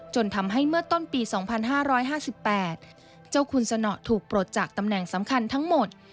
จนทำให้เมื่อต้นปี๒๕๕๘เจ้าคุณสนอถูกปลดจากตำแหน่งสำคัญทั้งหมด